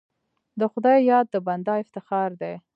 د خدای یاد د بنده افتخار دی.